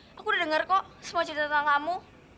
aku udah dengar kok semua cerita tentang kamu